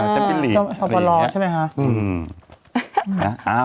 ชาวผลอร์ใช่ไหมคะ